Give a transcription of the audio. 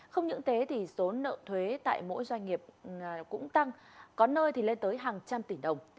không những thế thì số nợ thuế tại mỗi doanh nghiệp cũng tăng có nơi thì lên tới hàng trăm tỷ đồng